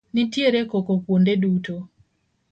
Nitiere koko kuonde duto.